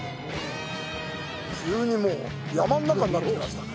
急にもう、山の中になってきましたね。